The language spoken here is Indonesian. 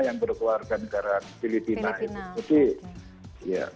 yang berkeluarga negara filipina